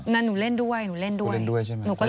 นั่นหนูเล่นด้วยหนูเล่นด้วย